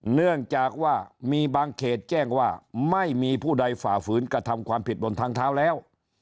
เนื่องจากว่ามีบางเขตแจ้งว่าไม่มีผู้ใดฝ่าฝืนกระทำความผิดบนทางเท้าแล้ว